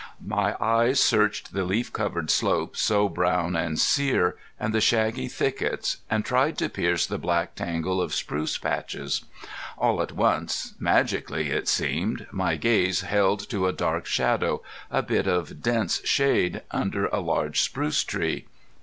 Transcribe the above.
My eyes searched the leaf covered slope so brown and sear, and the shaggy thickets, and tried to pierce the black tangle of spruce patches. All at once, magically it seemed, my gaze held to a dark shadow, a bit of dense shade, under a large spruce tree.